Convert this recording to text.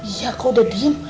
iya kau udah diem